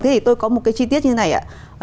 thế thì tôi có một cái chi tiết như thế này ạ